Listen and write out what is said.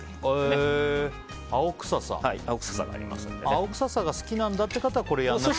青臭さが好きなんだって人はこれやらない？